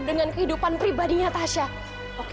dia keluar wik